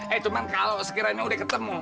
eh cuma kalau sekiranya udah ketemu